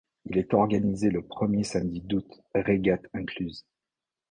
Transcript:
Il est organisé le premier samedi d'août, régates incluses.